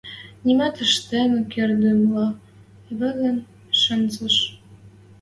Нимат ӹштен керддӹмӹлӓ вален шӹнзеш...